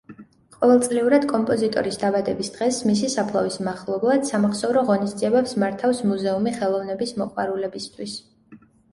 ყოველწლიურად, კომპოზიტორის დაბადების დღეს, მისი საფლავის მახლობლად, სამახსოვრო ღონისძიებებს მართავს მუზეუმი ხელოვნების მოყვარულებისთვის.